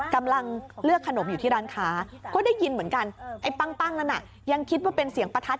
กำลังเลือกขนมอยู่ที่ร้านค้าก็ได้ยินเหมือนกันไอ้ปั้งนั้นน่ะยังคิดว่าเป็นเสียงประทัด